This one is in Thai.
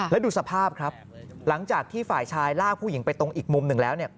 แล้วดูสภาพครับหลังจากที่ฝ่ายชายลากผู้หญิงไปตรงอีกมุมหนึ่งแล้ว